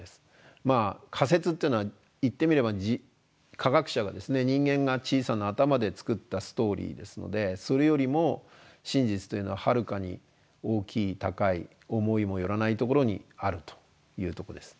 まあ仮説っていうのは言ってみれば科学者が人間が小さな頭で作ったストーリーですのでそれよりも真実というのははるかに大きい高い思いも寄らないところにあるというとこです。